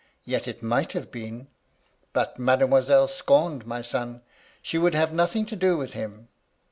Yet it might have been. But Mademoiselle scorned my son! She would have nothing to do with him.